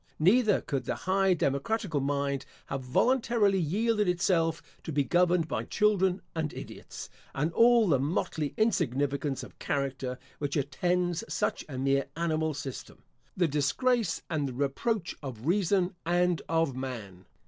Neither could the high democratical mind have voluntarily yielded itself to be governed by children and idiots, and all the motley insignificance of character, which attends such a mere animal system, the disgrace and the reproach of reason and of man.